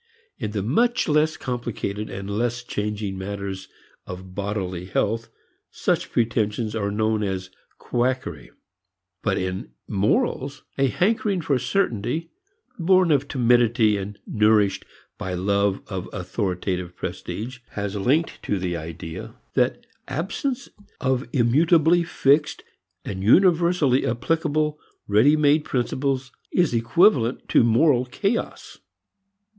In the much less complicated and less changing matters of bodily health such pretensions are known as quackery. But in morals a hankering for certainty, born of timidity and nourished by love of authoritative prestige, has led to the idea that absence of immutably fixed and universally applicable ready made principles is equivalent to moral chaos.